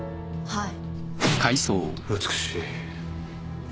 はい。